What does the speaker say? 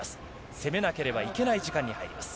攻めなければいけない時間に入ります。